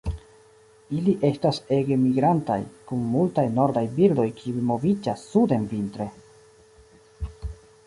Ili estas ege migrantaj, kun multaj nordaj birdoj kiuj moviĝas suden vintre.